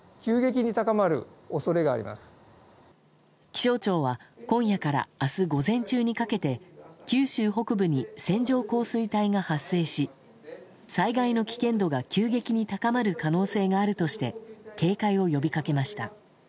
気象庁は今夜から明日午前中にかけて九州北部に線状降水帯が発生し災害の危険度が急激に高まる可能性があるとして警戒を呼びかけました。